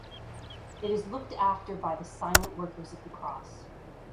It is looked after by the Silent Workers of the Cross.